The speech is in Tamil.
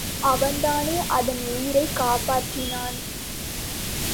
அவன்தானே அதன் உயிரைக் காப்பாற்றினான்?